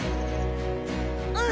うん！